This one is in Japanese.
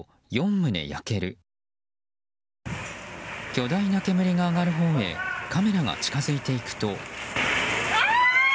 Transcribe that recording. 巨大な煙が上がるほうへカメラが近づいていくと。